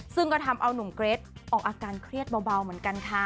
ซึ่งก็ทำเอานุ่มเกรทออกอาการเครียดเบาเหมือนกันค่ะ